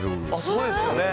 そうですよね。